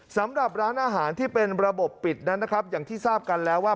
สำหรับร้านอาหารที่เป็นระบบปิดนั้นนะครับอย่างที่ทราบกันแล้วว่า